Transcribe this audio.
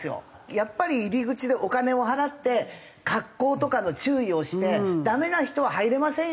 やっぱり入り口でお金を払って格好とかの注意をしてダメな人は入れませんよっていう風に。